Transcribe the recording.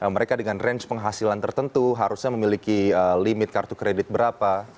mereka dengan range penghasilan tertentu harusnya memiliki limit kartu kredit berapa